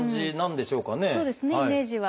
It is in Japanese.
そうですねイメージは。